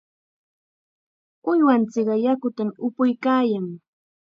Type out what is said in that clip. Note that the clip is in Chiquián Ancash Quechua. Uywanchikqa yakutam upuykaayan.